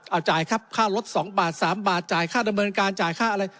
เอาจ่ายครับค่ารถ๒บาท๓บาทจ่ายค่าดำเนินการจ่ายค่าอะไร